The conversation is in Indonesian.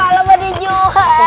pak lo berdijuan